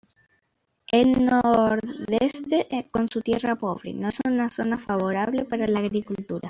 El nordeste, con su tierra pobre, no es una zona favorable a la agricultura.